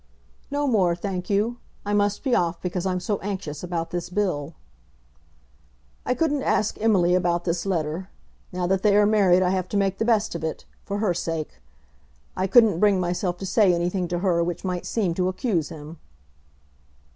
"No more, thank you. I must be off because I'm so anxious about this Bill." "I couldn't ask Emily about this letter. Now that they are married I have to make the best of it, for her sake. I couldn't bring myself to say anything to her which might seem to accuse him."